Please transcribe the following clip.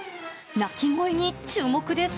鳴き声に注目です。